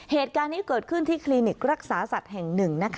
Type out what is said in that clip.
เหตุการณ์นี้เกิดขึ้นที่คลินิกรักษาสัตว์แห่ง๑